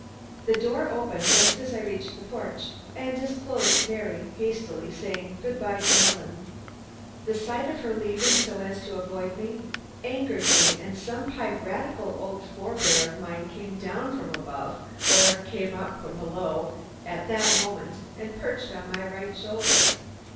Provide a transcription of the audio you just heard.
The door opened just as I reached the porch, and disclosed Mary hastily saying "Good by" to Helen. The sight of her leaving, so as to avoid meeting me, angered me and some piratical old forebear of mine came down from above or came up from below at that moment and perched on my right shoulder.